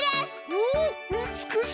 おおうつくしい！